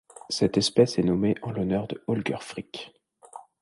Cette espèce est nommée en l'honneur de Holger Frick.